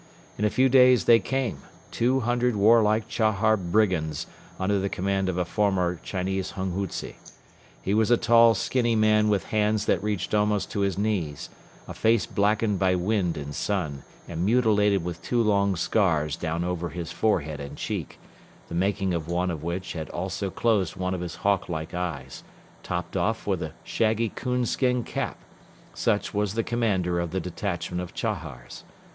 In a few days they came, two hundred warlike Chahar brigands under the command of a former Chinese hunghutze. He was a tall, skinny man with hands that reached almost to his knees, a face blackened by wind and sun and mutilated with two long scars down over his forehead and cheek, the making of one of which had also closed one of his hawklike eyes, topped off with a shaggy coonskin cap such was the commander of the detachment of Chahars.